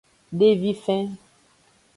Devifen.